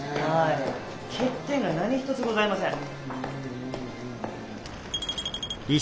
欠点が何一つございません。